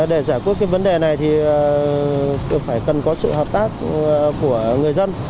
để giải quyết vấn đề này thì cần có sự hợp tác của người dân